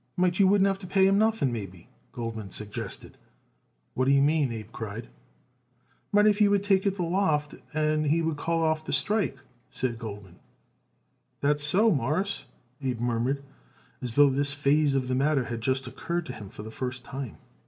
"Might you wouldn't have to pay him nothing, maybe," Goldman suggested. "What d'ye mean?" Abe cried. "Might if you would take it the loft he would call off the strike," said Goldman. "That's so, Mawruss," Abe murmured, as though this phase of the matter had just occurred to him for the first time.